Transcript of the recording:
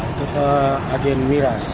itu agen miras